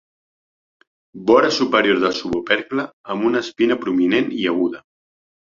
Vora superior del subopercle amb una espina prominent i aguda.